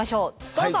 どうぞ！